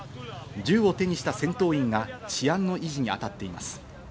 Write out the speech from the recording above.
銃を手にした戦闘員が治安の維持に当たっています。